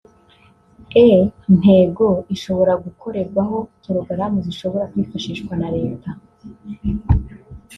E-ntego ishobora gukorerwaho porogaramu zishobora kwifashishwa na Leta